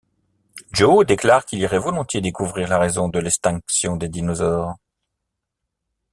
Joe déclare qu'il irait volontiers découvrir la raison de l'extinction des dinosaures.